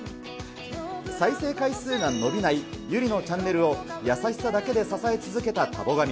再生回数が伸びない優里のチャンネルを優しさだけで支え続けた田母神。